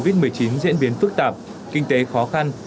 covid một mươi chín diễn biến phức tạp kinh tế khó khăn